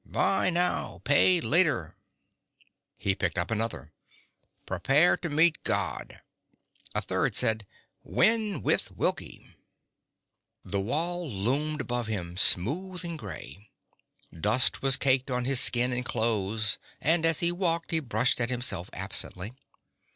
BUY NOW PAY LATER! He picked up another. PREPARE TO MEET GOD A third said: WIN WITH WILLKIE The wall loomed above him, smooth and grey. Dust was caked on his skin and clothes, and as he walked he brushed at himself absently.